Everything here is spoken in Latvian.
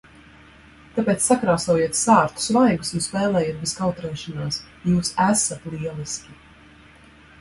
Tāpēc sakrāsojiet sārtus vaigus un spēlējiet bez kautrēšanās. Jūs esat lieliski!